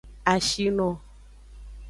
Ashino.